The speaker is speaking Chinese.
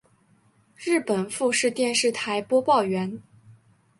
日本富士电视台播报员。